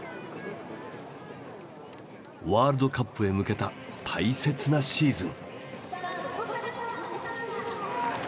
ワールドカップへ向けた大切なシーズン。